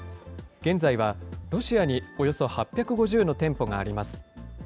現在はロシアにおよそ８５０の店舗があります。